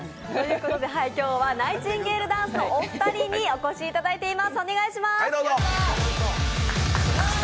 今日はナイチンゲールダンスのお二人にお越しいただいています。